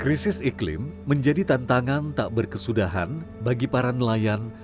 krisis iklim menjadi tantangan tak berkesudahan bagi para nelayan